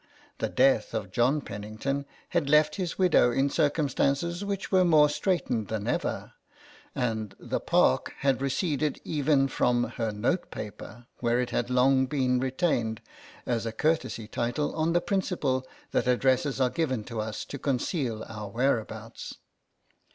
The death of John Pennington had left his widow in circum stances which were more straitened than ever, and the Park had receded even from her notepaper, where it had long been retained as a courtesy title on the principle that addresses are given to us to conceal our whereabouts.